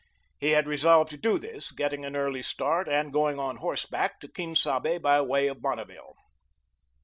He had resolved to do this, getting an early start, and going on horseback to Quien Sabe, by way of Bonneville.